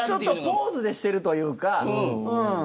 ポーズでしているというか。